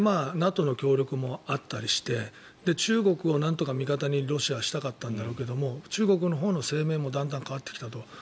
ＮＡＴＯの協力もあったりして中国をなんとか味方にロシアはしたかったんだろうけど中国のほうの声明もだんだん変わってきたと。